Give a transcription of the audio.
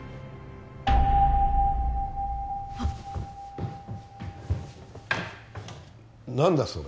あっ何だそれ？